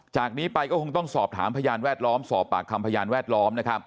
จากนี้ไปก็คงต้องสอบถามพยานแวดล้อมสอบปากคำพยานแวดล้อม